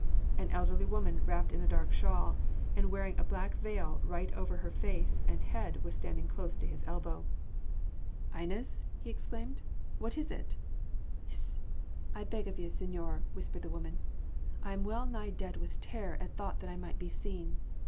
An elderly woman wrapped in a dark shawl and wearing a black veil right over her face and head was standing close to his elbow. "Inez?" he exclaimed, "what is it?" "Hist! I beg of you, señor," whispered the woman, "I am well nigh dead with terror at thought that I might be seen.